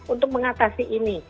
untuk mengatasi ini